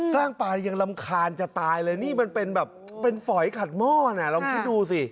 ล้างปลายังรำคาญจะตายเลยนี่มันเป็นแบบเป็นฝอยขัดหม้อน่ะลองคิดดูสิ